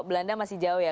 belanda masih jauh ya